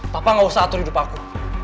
papa gak usah atur hidup aku